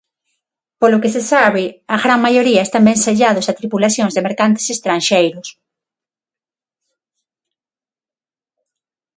Polo que se sabe, a gran maioría están vencellados a tripulacións de mercantes estranxeiros.